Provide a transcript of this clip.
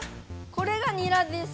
これがにらです。